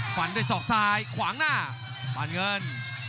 ฟันด้วยศอกซ้ายขวางหน้าปานเงิน